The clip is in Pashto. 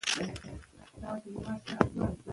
که ښوونکې هڅونه وکړي، زده کوونکي برياليتوب حاصلوي.